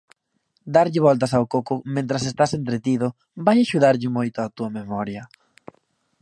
Darlle voltas ao coco mentres estás entretido, vai axudarlle moito á túa memoria.